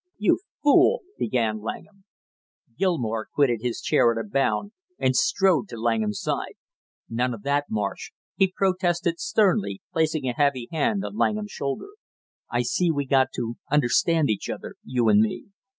"You fool " began Langham. Gilmore quitted his chair at a bound and strode to Langham's side. "None of that, Marsh!" he protested sternly, placing a heavy hand on Langham's shoulder. "I see we got to understand each other, you and me!